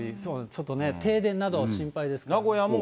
ちょっとね、停電など心配です。